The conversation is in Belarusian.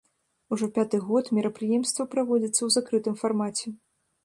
Ужо пяты год мерапрыемства праводзіцца ў закрытым фармаце.